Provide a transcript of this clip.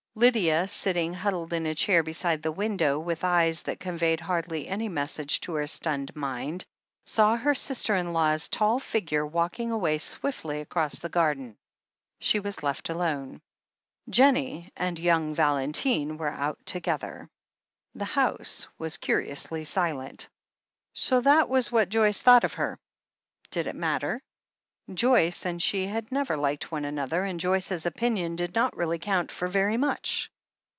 Lydia, sitting huddled in a chair beside the window, with eyes that conveyed hardly any message to her stunned mind, saw her sister in law's tall figure walking away swiftly across the garden. She was left alone. Jennie and young Valentine were out together. The house was curiously silent. So that was what Joyce thought of her. Did it matter? Joyce and she had never liked one another, and Joyce's opinion did not really count for very much.